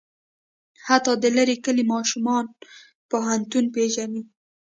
حتی د لرې کلي ماشوم پوهنتون پېژني.